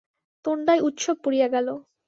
তোণ্ডায় উৎসব পড়িয়া গেল।